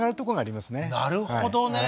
なるほどね。